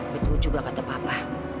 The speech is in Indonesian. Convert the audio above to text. betul juga kata papa